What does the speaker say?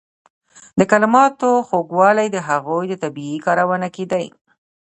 د کلماتو خوږوالی د هغوی په طبیعي کارونه کې دی.